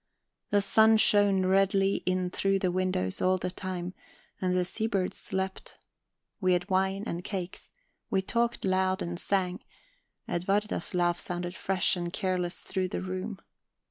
The sun shone redly in through the windows all the time, and the seabirds slept. We had wine and cakes, we talked loud and sang, Edwarda's laugh sounded fresh and careless through the room.